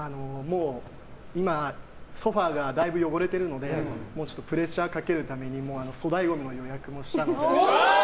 今、ソファがだいぶ汚れてるのでプレッシャーかけるために粗大ごみの予約もしたので。